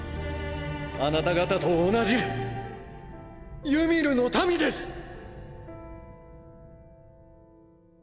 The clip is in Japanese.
あなた方と同じユミルの民です！！